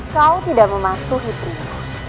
kau tidak mematuhi pribu